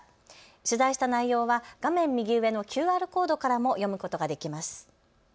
取材した内容は画面右上のＱＲコードからも読むことができます。